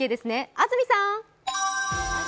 安住さん。